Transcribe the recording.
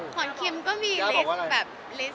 ขอนเคลียมก็มีลิสต์แบบ